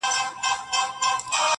• د مچانو او ډېوې یې سره څه..